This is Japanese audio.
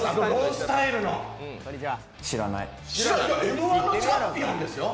Ｍ−１のチャンピオンですよ。